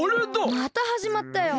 またはじまったよ。